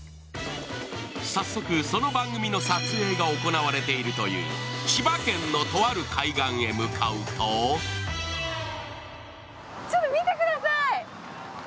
早速、その番組の撮影が行われているという千葉県のとある海岸へ向かうとちょっと見てください！